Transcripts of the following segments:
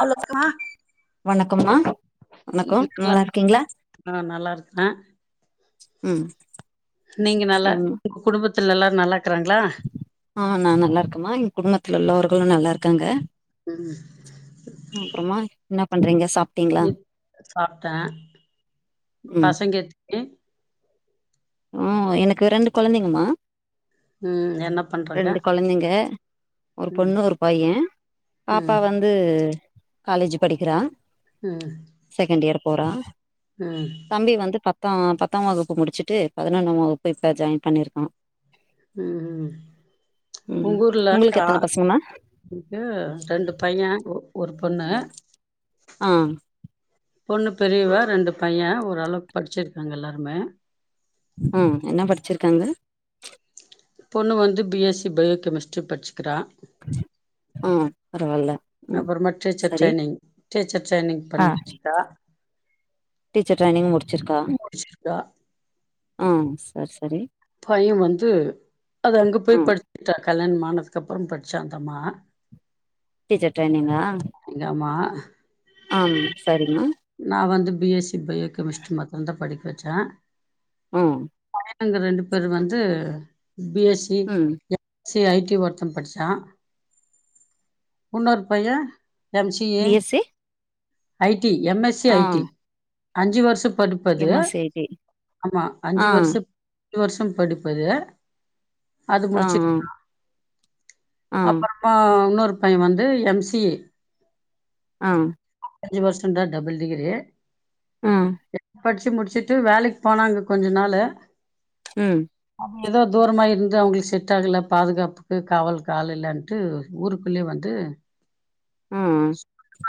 அவளோக்கா வணக்கம்மா வணக்கோ நல்லா நல்லார்க்கீங்களா ஆ நல்லா இருக்கே ம் நீங்க நல்லா உங்க குடும்பத்துல எல்லா நல்லாக் ஆஹ் நா நல்லார்க்கமா எங்க குடும்பத்துல உள்ளவர்களு நல்லார்க்காங்க ம் பண்றீங்கா சாப் சாப்ட ம் பசங்க [unintelligible] ம் எனக்கு ரெண்டு கொழந்திங்கமா ம் என்ன பண்றாங்க ரெண்டு கொழந்திங்க ஒரு ம் பொண்ணு ஒரு பையன் ம் பாப்பா வந்து காலேஜ் படிக்குறா ம் போறா ம் ம் தம்பி வந்து பத்தா பத்தாம் வகுப்பு முடிச்சுட்டு பதினொன்னாம் வகுப்பு இப்ப ஜாயின் பண்ணிருக்கா ம் ம் உங்கூருல உங்களுக்கு ஆ எத்தன பசங்கம்மா ரெண்டு பையன் ஒரு பொண்ணு ஆ பொண்ணு பெரியவா ரெண்டு பையன் ஓரளவுக்கு படிச்சிருக்காங்க எல்லாருமே ம் என்ன படிச்சிருக்காங்க பொண்ணு வந்து பி எஸ் சி பயோகெமிஸ்ட்ரி பட்ச்சிக்குறா ம் பரவால்ல அப்பறமா டீச்சர் சரி ட்ரைனிங் டீச்சர் ட்ரைனிங் ஆ பண்க்கா டீச்சர் ட்ரைனிங் முடிச்சிருக்கா முடிச்சிருக்கா ம் செரி செரி பையன் வந்து அது அங்க போய் ம் படிச்ட்டா கல்யாணமானது அதுக்கப்பறம் படிச்சாந்தம்மா டீச்சர் ட்ரைனிங்கா ஆம் சரிமா நா வந்து B S C biochemistry மத்து தா படிக்க வெச்சே ம் அந்த ரெண்டு பேர் வந்து பி எஸ் ம் சி ஐ டி ஒருத்தன் படிச்சா உன்னொரு பைய்ய M C A B S C I T M S C ஆ ஐடி அஞ்சு வர்ஷொ படிப்பது M S C I T ஆமா அஞ்சு ஆ வர்ஷ ஞ்ஜு வருஷோ படிப்பது ஆ ஆ ஆ அப்பறமா ஒன்னொரு பையன் வந்து எம் சி ஏ ஆ அஞ்சு வருஷந் தா டபுள் டிகிரி படிச்சு முடிச்சுட்டு வேலைக்கு போனாங்க கொஞ்ச நாளு ம் எதோ தூரமா இருந்து அவுங்களுக்கு செட் ஆகல பாதுகாப்புக்கு காவல்க்கு ஆள்லில்லன்ட்டு ஊருக்குள்ளேயே வந்து ம்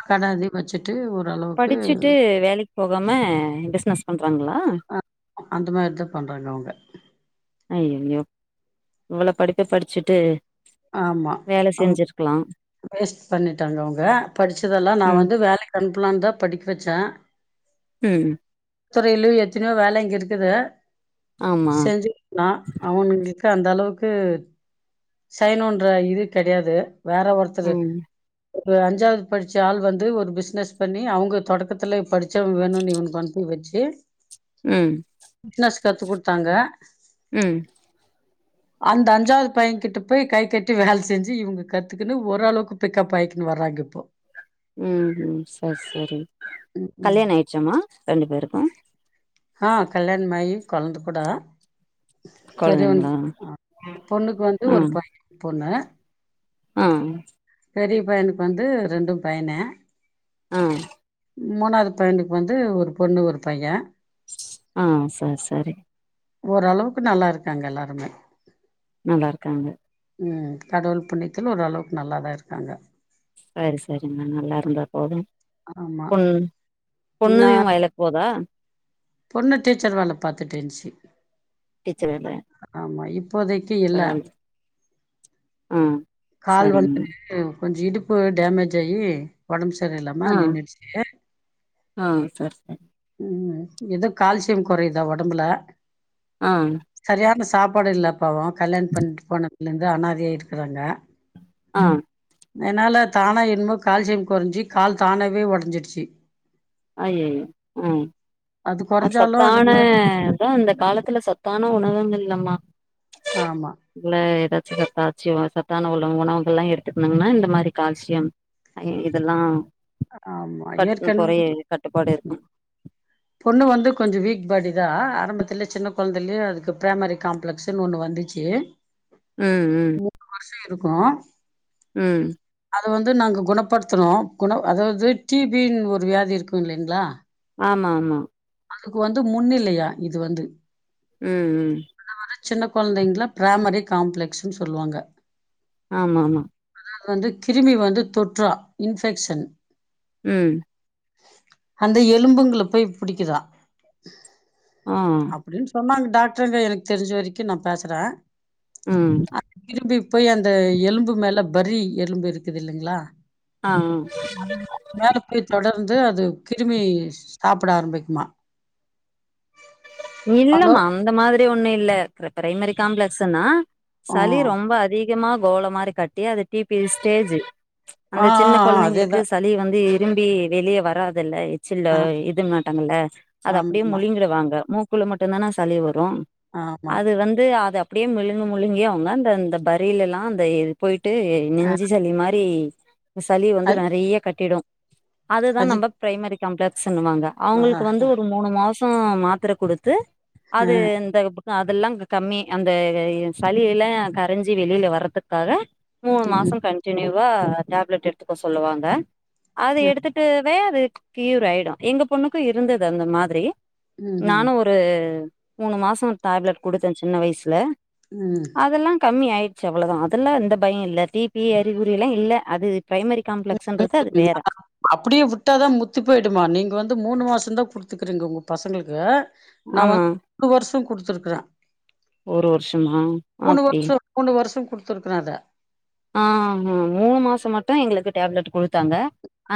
கட அதே வச்சு படிச்சுட்டு வேலைக் போகாம பிஸ்னஸ் ஆ அந்த மாரிதா பண்றாங்க அவுங்க அய்யயோ இவ்ளோ படிப்ப படிச்சுட்டு ஆமா வேல அவங்க செஞ்சுருக்லா வேஸ்ட் பண்ணிட்டாங்க அவுங்க படிச்சதெல்லா நா ம் வந்து வேலைக் அனுப்பலான் தா படிக்க வெச்சே ம் துறையிலயூ எத்தினியோ வேலைங்க இருக்குது ஆமா செஞ்சுருக்லா அவுங்களுக் க அந்தளவுக்கு செய்யணூன்ற இது தெரியாது வேற ஒருத்தரு ம் வ அஞ்சாவ்து படிச்ச ஆள் வந்து ஒரு பிஸ்னஸ் பண்ணி அவுங்க தொடக்கத்துலே படிச்சவ வேணூனு இவனுக்கு அனுப்பி வ வச்சி ம் கத்து குத்தாங்க ம் அந்த அஞ்சாவ்து பையன் கிட் ட போய் கை கட்டி வேல செஞ்சு இவங்க கத்துக்குனு ஒரளவுக்கு பிக்கப் ஆய்க்கினு வர்றாங்க இப்போ ம் ம் செர் செரி ம், ம். கல்யாண ஆயிச்சாமா ரெண்டு பேருக்கூ ஆ கல்யாணமாயி கொழந்த கூட கொழந்தைங்களா பெரியவனுக்குக் ஆ பொண்ணுக்கு வந்து ஆ ஒரு பைய பொண்ணு ஆ பெரிய பையனுக்கு வந்து ரெண்டூ பையனே அ மூணாவ்து பையனுக்கு வந்து ஒரு பொண்ணு ஒரு பைய ஆ சர் சரி ஓரளவுக்கு நல்லாருக்காங்க எல்லாருமே நல்லாருக்காங்க ம் கடவுள் புண்ணியத்தில ஒரளவுக்கு நல்லாதா இருக்காங்க சரி சரிங்க நல்லாருந்தா போது ஆமா. பொண் நா பொண்ணையூ வயலுக் போதா பொண்ணு டீச்சர் வேல பாத்துட்டு இந்ச்சி டீச்ச வேல ப்போதைக்கு இல்ல பரவால்ல ஆ கால் வந்து சரிங்க கொஞ்சு இடுப்பு டேமேஜ் ஆயி ஒடம்பு சரியில்லாம ஆ நின்னுடுச்சி ஆ சர் சரி ம் எதோ கால்சியம் கொறையுதா ஒடம்புல ஆ சரியான சாப்பாடு இல்ல பாவோ கல்யாணம் பண்ணிட்டு போனதுலேந்து அனாதையா இருக்கிறாங்க ஆ நெனால தானா என்மோ கால்சியம் கொறஞ்சி கால் தானாவே ஒடஞ்சிருச்சி அய்யயோ அது அ கொறஞ்சாலு அந்த சத்தான மாரி தோ இந்த காலத்துல சத்தா ன உணவுமில்லமா ஆமா ல த சத்தாச்சிய வ சத்தான உள்ள உணவுகள்ல்லா எடுத்துக்லன்னா இந்த மாரி கால்சியம் அ இதல்லா ஆமா ஏற்கனவ் கட்டுப்பாடு இருக்கு பொண்ணு வந்து கொஞ்சோ வீக் ப பாடிதா ஆரம்பத்துலே சின்ன கொழந்தைலே அதுக்கு பிரைமரி காம்ப்ளெக்ஸ்ன்னு ஒன்னு வந்துச்சு ம் ம் ருக்கூ ம் அது வந்து நாங்க குணப்படுத்துனோ குண அதாவ்து டீ பி ன் ஒரு வியாதி இருக்கூ இல்லைங்ளா ஆமா ஆமா அதுக்கு வந்து முன்னிலையா இது வந்து ம் ம் அது சின்ன குழந்தைங்கல பிராமரி காம்ப்ளெக்ஸ்ன்னு சொல்லுவாங்க ஆமாமா வந்து கிருமி வந்து தொற்றா இன்ஃபெக்க்ஷன் ம் அந்த எலும்புங்கள போய் பிடிக்குதா ஆ அப்டின்னு சொன்னாங்க டாக்டர்ங்க எனக்கு தெரிஞ்ச வரைக்கு நா பேசுறேன் ம் அது கிருமி போய் அந்த எலும்பு மேல பர்ரி எலும்பு இருக்குது இல்லைங்களா ஆ மேல போயி தொடர் வந்து அது கிருமி சாப்புட ஆரம்பிக்குமா ஹலோ இல்லம்மா அந்த மாதிரி ஒண்ணும் இல்ல பிரைமரி காம்ப்ளெக்ஸ்ன்னா ஆ சளி ரொம்ப அதிகமா கோல மாரி கட்டி அது டிபி ஸ்டேஜ் ஆ அந்த ஆ, சின்ன ஆ, குழந்தைங்களுக்கு அதேதான் சளி வந்து இரும்பி வெளியே வராதுல்ல சில்ல ஆ இது மாட்டாங்கல்ல அது அப்படியே ஆமா, முழிங்கடுவாங்க மூக்குள்ள மட்டும்தானா சளிவ ரு ஆமா. அது வந்து அதப் டியே முழுங்கு முழுங்கியே அவங்க அந்த அந்த பரியில எல்லா அந்த இது போய்ட்டு அ நெஞ்சு சளி மாரி சளி வந்து அது நிறைய கட்டிடும் அதுதான் அது நம்ம பிரைமரி காம்ப்ளக்ஸ்ன்னுவாங்க ஆஹா. அவங்களுக்கு வந்து ஒரு மூணு மாசம் மாத்திரை குடுத் து அ. அது இந்த அதெல்லாம் கம்மி அந்த சளி எல்லா கரைஞ்சி வெளியில வர்றதுக்காக மூணு மாசம் கன்டினியூவா டேப்லெட் எடுத்துக்க சொல்லுவாங்க அது எடுத்துட்டுவே அது கியூர் ஆயிடும் எங்க பொண்ணுக்கும் இருந்தது அந்த மாதிரி ம் ம் து மூணு மாசம் டேப்லெட் கொடுத்த சின்ன வயசுல ம். அதெல்லா கம்மி ஆயி ச்சி அவ்ளதா அதெல்லா இந்த பயம் இல்ல டிபி அறிகுறில்லா இல்ல அது பிரைமரி காம்ப்ளெக்ஸ்ன்றது அது வேற [unintelligible] அப்படியே வுட்டாதா முத்தி போயிடுமா நீங்க வந்து மூணு மாசதா குடுத்துக்கறீங்க உங்க பசங்களுக்கு நா ஆமா வந்து மூணு வருஷ கொடுத்துருக்குற ஒரு வருஷமா மூணு அப்டி வருஷம் மூணு வருஷம் கொடுத்துருக்கற அத ஆ மூணு மாசம் மட்டு எங்களுக்கு டேப்லெட் கொடுத் தாங்க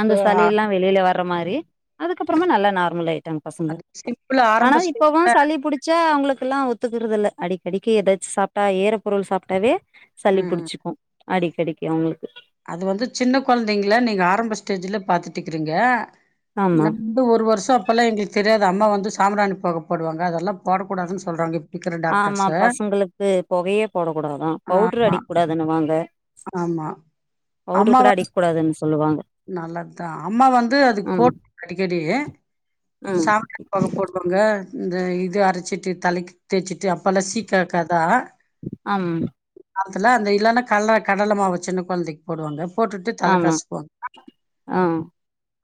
அந்த அ சளி எல்லா வெளியில வர்ற மாரி அதுக்கப்பறமா நல்லா நார்மல் ஆயிட் டாங்க பசங்க அது சிம்பிளா ஆரம்ப ஆனா இப்பவும் ஸ்டேஜ்ல சளி புடிச்சா அவங்களுக் கெல்லா ஒத்துக்குறதில்ல அடிக்கடிக்கு ஏதாச்சும் சாப்பிட்டா ஈற பொருள் சாப்ட்டாவே சளி ம்ஹ்ம். புடிச்சுக்கும் அடிக்கடிக்கு அவங்களுக்கு அது வந்து சின்ன குழந்தைங்கள நீங்க ஆரம்ப ஸ்டேஜ்ல பாத்துட்டுக்கிறீங்க ஆமா நா வந்து ஒரு வருஷம் அப்பெல்லாம் எங்களுக்கு தெரியா து அம்மா வந்து சாம்பிராணி பொக போடுவாங்க அதெல்லா போடக்கூடாதுனு சொல்றாங்க இருக்கிற ஆமா டாக்டர்ஸு. பசங்களுக்கு பொகையே போட கூடாதா பவுடரு ஆமா. அடிக்க கூடாதுன்னு வாங்க ஆமா பவுடரு கூட அடிக்கூடாதுன்னு ஸ் நல்லத்தான் அம்மா வந்து அதுக்கு ஆமா போட் அடிக்கடி ம் சம்பிராணி பொக போடுவாங்க இந்த இது அரைச்சிட்டு தலைக்கு தேய்ச்சிட்டு அப்போல்லாம் சீக்காகாதான் அம் காலத்துல அந்த இல்லன்னா கல்ல கடல மாவு சின்ன கொழந்தைக்கு போடுவாங்க போட்டுட்டு தலை ஆமா கசக்குவாங் ஆ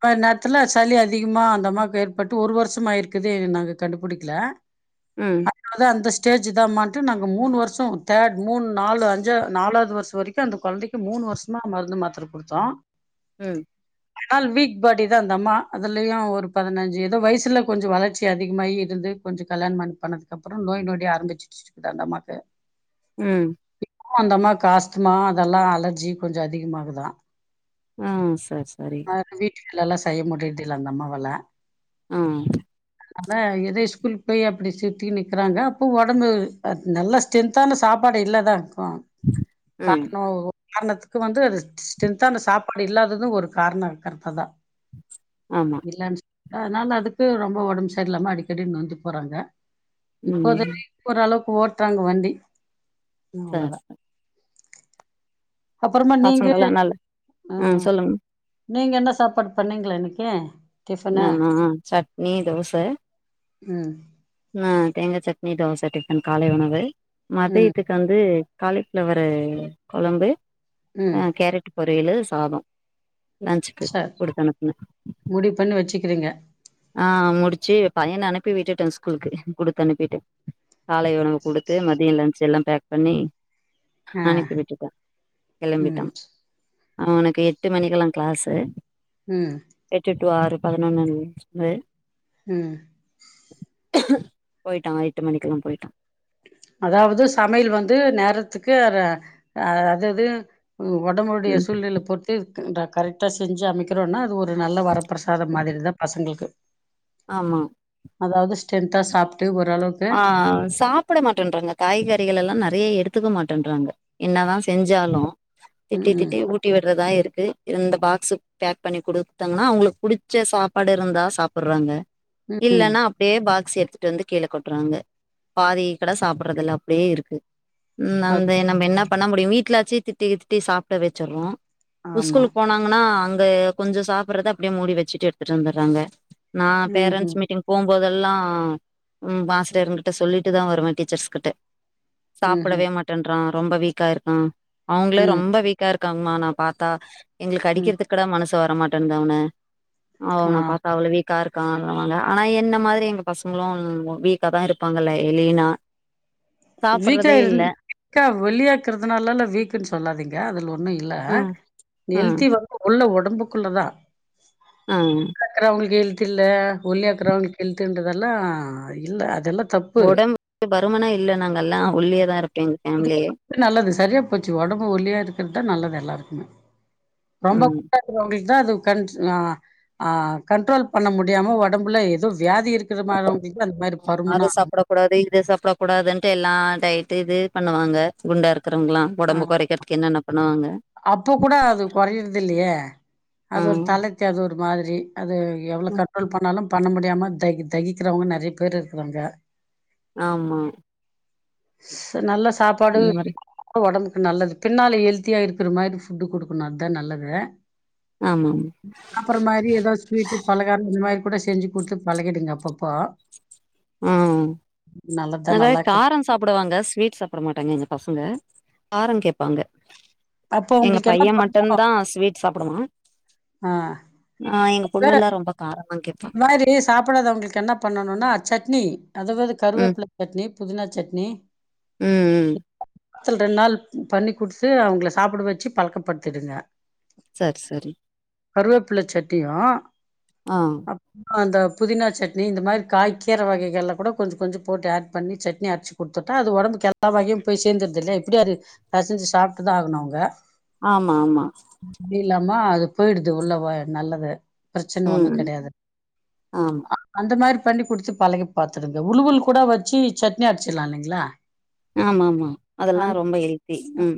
மாரி நேரத்துல சளி அதிகமா அந்தம்மாக்கு ஏற்பட்டு ஒரு வருஷமாயிருக்குது நாங்க கண்டுபுடிக்கல ம் அத்நால அந்தஸ் டேஜ் தாம்மான்னுட்டு நாங்க மூணு வருஷம் தேர்ட் மூண் நாலு அஞ்சா நாலாவது வருஷம் வரைக்கும் அந்த கொழந்தைக்கு மூணு வருஷமா மருந்து மாத்திரை குடுத்தோ ம் ஆனால் வீக் பாடி தா அந்தம்மா அதுலயும் ஒரு பதினஞ்சு ஏதோ வயசுல கொஞ்சம் வளர்ச்சி அதிகமாயி இருந்து கொஞ்சு கல்யாண் பண் பண்ணதுக்குப்புறோ நோய் நொடி ஆரம்பிச்ருச்சி இர்க்தா அந்தம்மாக்கு ம் அந்தமாக்கு ஆஸ்துமா அதெல்லா அலர்ஜி கொஞ்சு அதிகமாகுதா ஆ சர் ச அ வீட்டு வேல எல்லா செய்ய முடிர்தில்ல அந்தம்மாவாள அ அதல்ல எது ஸ்கூலுக் போய் அப்டி சுத்தி நிக்குறாங்க அப்போ ஒடம்பு அ நல்லா ஸ்டெர்தான சாப் பாடு இல்லாதா இர்க்கோ ம் கார்ணோ கார்ணத்துக்கு வந்து அது ஸ்டென்தான சாப்பாடு இல்லாதது ஒரு கார்ணோ இர்க்கற்து தா ஆமா இல்லன் [inaudible] அத்னால அதுக்கு ரொம் போ ஒடம் செர்லாம அடிக்கடி நொந்து போறாங்க இப்போ ம் [inaudible] ஓரளவ்க் கு ஓட்றாங்க வண்டி ம் சர் அவ்ளதா அப்பறமா நீங்க பசங்கல்லா நல்ல அ ம் சொல்லுங்க நீங்க என்ன சாப்பாடு பண்ணீங்கள இன்னைக்கி நானா சட்னி தோச ம் நா தேங்கா சட்னி தோச டிஃபன் காலை உணவு ம் மதியத்துக் வந்து காலிஃப்ளவர்ரு கொழம்பு ம் அ கேரட்டு பொரியலு சாதோ லன்ச்சுக்கு சர் கொடுத்தனுப்புன முடிவு பண்ணி வச்சுக்கிறீங்க அ முடிச்சு பையன அனுப்பி விட்டுட்டே ஸ்கூலுக்கு குடுத்தனுப்பிட்டே காலை உணவு குடுத்து மதிய லன்ச் எல்லா பேக் பண்ணி ஆ அனுப்பி விட்டுட்ட ம் கெளம்பிட்டா அவனுக்கு எட்டு மணிக்கெல்லா க்ளாஸு ம் டூ ஆறு [unintelligible] ம் போய்ட்டா எட்டு மணிக்கெல்லா போய்ட்டா அதாவது சமைய்ல் வந்து நேரத்துக்கு ர அ அதது ஒடம்புடைய ம் சூழ்நில பொற்த்து [unintelligible] கரெக்டா செஞ்சு அமைக்கிறோனா அது ஒரு நல்ல வரப்பிரசாதம் மாதிரிதா பசங்ளுக்கு ஆம்மா அதாவது ஸ்டென்தா சாப் அ சாப் புட மாட்டன்றாங்க காய்கறிகள் எல்லா நெறைய எடுத்துக்க மாட்டன்றாங்க என்னதா செஞ்சாலு ம் திட்டி திட்டி ஊட்டி விட்றதா இருக் கு இந்த பாக்ஸ்சு பேக் பண்ணி குடுத்தங்னா அவுங்குளுக் புடிச்ச சாப்பாடு இருந்தா சாப்புற்றாங்க ம் ம் இல்லன்னா அப்டியே பாக்ஸ் எடட்த்துட் வந்து கீழ கொட் றாங்க பாதி கூட சாப்பிடுறதுல்ல அப்டியே இருக்கு ம் நம்ப அது என் நம்ப என்னா பண்ண முடியு வீட்லாச்சி திட்டி திட்டி சாப்ட வெச்சர்ரோ ப்போ ஆமா ஸ்கூலுக் போனாங்கன்னா அங்க கொஞ்சோ சாப்பிடுறத அப்டியே மூடி வெச்சுட்டு எட்த்துட் வந்தற்றாங்க நா ம்ஹூ பேரன்ஸ் மீட்டிங் போம்போதெல்லா ம் [unintelligible] கிட்ட சொல்லிட்டு தா வருவே டீச்சர்ஸ் கிட்ட ம்ஹூ சாப்பிடவே மாட்டேன்றா ரொம்ப வீக்கா இருக்கா அவுங்ளே ம் ரொம்ப வீக்கா இருக்காங்க்மா நா பாத்தா எங்ளுக் ம் அடிக்கிற்துக்கூட மனசு வர மாட்டுன்ந்து அவுன ஆ அவுன பார்த்தா அவ்ள வீக்காருக் கா றாங்க ஆனா என்ன மாதிரி எங்க பசங்ளோ [unintelligible] வீக்கா தா இருப்பாங்கல்லே அ லீனா சாப்புற்றதே இல்ல கா ஒல்லியாக்குறதுனாலா வீக்குன் சொல்லாதீங்க அதுல் ஒன்னு இல்ல ம் ம் ஹெல்த்தி வந்து உள்ள ஒடம்புக்குள்ளதா ம் [unintelligible] வுங்களுக் ஹெல் தில்ல ஒல்லியா இருக்கிறவங்ளுக் ஹெல்த்துன்றதெல்லா அ இல்ல அதெல்லா தப்பு ஒடம்புக்கு பருமனா இல்ல நாங்கல்லா ஒல்லியாதா இருக்கெங் ஃபேம்லியே அ சேரியா போச்சு ஒடம்பு ஒலியா இருக்கற் தா நல்லது எல்லாருக்குமே ரொம்ப ம் [unintelligible] தா அது கண்ட் ஆ ஆ கண்ட்ரோல் பண்ண முடியாம ஒடம்புல எதோ வியாதி இருக்கிற [unintelligible] அது மாரி பருமனா ஆகும் டெல்லா டைட்டு இது பண்ணுவாங்க குண்டா இருக் ஆ உடம்பு கொறைக்கிறதுக்கு என்ன என்னா பண்ணுவாங் அப்போ கூட அது கொறையறது இல்லையே ஆ அது ஒரு தல தேட் ஒரு மாதிரி அது எவ்ளோ கண்ட்ரோல் பண்ணாலு பண்ண மு யாமக் தகி தகிக்கிறவங்க நறைய பேர் இருக்குறாங்க ஆமா ஸ் நல்லா சாப்பாடு அந்த மாரி ஒடம்புக் ம் நல்லது பின்னால ஹெல்த்தியா இருக்குற மாரி ஃபுட்டு குடுக்குணு அத் தா நல்லது ஆமா ஆமா சாப்புற மாரி ஏதாது ஸ்வீட்டு பலகாரோ இந்த மாரி கூட செஞ்சு குட்த்து பழகிடுங்க அப்பப்போ ம் நல்லதுதான் அதா நல்லாருக்கு. காரோ சாப்புடுவாங்க ஸ்வீட் சாப்புட மாட்டாங்க எங்க பசங்க காரோ கேப்பாங்க அப்போ எங்க உங்களுக்கு என்ன பைய மட்டும் தா பண்ணணும் ஸ்வீட் சாப்புடுவா ஆ. ஆ எங்க பொண்ணு எல்லா ரொம்ப காரோ இது மாதிரி சாப்புடாதவங்களுக்கு என்ன பண்ணணுன்னா சட்னி அதுவது ம் கருவேப்பில சட்னி புதினா சட்னி ம் ம் த்துல் ரெண்ட் நாள் பண்ணி குடுத்து அவங்கள சாப்புட வச்சு பழக்கப்படுத்திடுங்க சர் சரி கருவேப்புல சட்டியு ஆ அந்த புதினா சட்னி இந்த மாரி காய் கீர வகைகள்ள கூட கொஞ்ச கொஞ்ச போட்டு ஆட் பண்ணி சட்னி அரைச்சு குட்த்துட் டா அது ஒடம்புக்கு எல்லா வகையும் போய் சேர்ந்துட்து இல்லையா இப்டியாரு பெசஞ்சு சாப்ட்டுதா ஆகணு அவங்க ஆமா ஆமா இல்லாமா அது போயிடுது உள்ள ஓ நல்லது பிரச்சன ஒன்னு கெடையாது ஆம் இந்த மாரி பண்ணி குடுத்து பழகி பாத்துடுங்க உளுவுல் கூட வச்சி சட்னி அரச்சிட்லா இல்லீங்களா ஆமா ஆமா அதெல்லா ரொம்ப ஹெல்தி ம்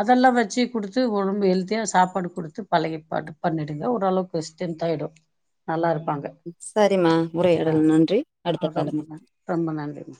அதெல்லா வச்சி குடுத்து உடம்பு ஹெல்த்தியா சாப்பாடு குடுத்து பழகிப்பாட்டு பண்ணிடுங்க ஓரளவுக்கு ஸ்டென்த் ஆயிடூ நல்லா இருப்பாங்க சரிம்மா ஆ உரையாடல் நன்றி அடுத்த ஆ காலம் ரொம்ப நன் ரொம்ப நன்றி மா